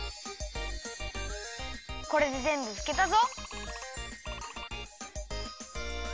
これでぜんぶふけたぞ！